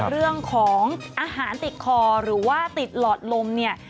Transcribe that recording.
เรื่องของอาหารติดคอหรือว่าติดหลอดลมเนี่ย